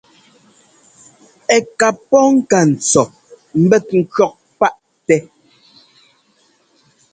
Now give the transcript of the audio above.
Ɛ́ ká pɔ́ ŋka ntsɔ ḿbɛt ŋkʉ̈ɔk paʼtɛ.